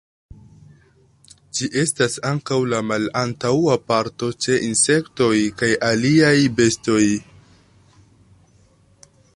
Ĝi estas ankaŭ la malantaŭa parto ĉe insektoj kaj aliaj bestoj.